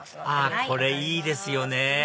あっこれいいですよね